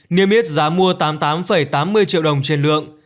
niêm yết giá mua tám mươi tám tám mươi triệu đồng trên lượng